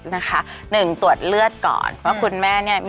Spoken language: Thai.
โรงพยาบาลพญาไทย๑๑